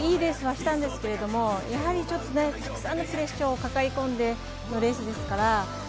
いいレースはしたんですけれども、やはりたくさんのプレッシャーを抱え込んでのレースですから。